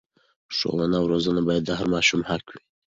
ښوونه او روزنه باید د هر ماشوم حق وي.